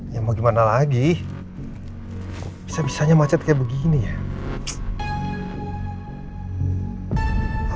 ya mau gimana lagi kok bisa bisanya macet kayak begini ya